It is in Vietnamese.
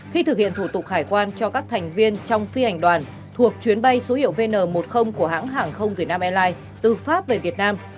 khi thực hiện thủ tục hải quan cho các thành viên trong phi hành đoàn thuộc chuyến bay số hiệu vn một mươi của hãng hàng không việt nam airlines từ pháp về việt nam